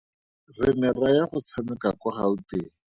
Re ne ra ya go tshameka kwa Gauteng.